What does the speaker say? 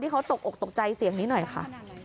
เขาตกอกตกใจเสียงนี้หน่อยค่ะ